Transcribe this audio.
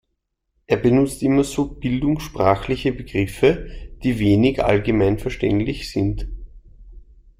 Er benutzt immer so bildungssprachliche Begriffe, die wenig allgemeinverständlich sind.